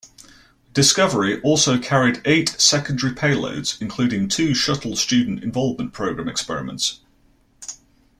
"Discovery" also carried eight secondary payloads, including two Shuttle Student Involvement Program experiments.